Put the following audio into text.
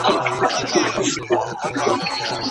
د اختر په ورځو کي بیړنۍ څانګه څنګه وي؟